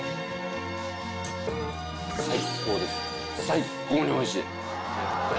最高においしい。